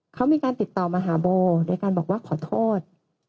เขามีการติดต่อมาหาโบโดยการบอกว่าขอโทษ